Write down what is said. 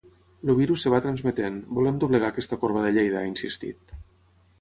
El virus es va transmetent, volem doblegar aquesta corba de Lleida, ha insistit.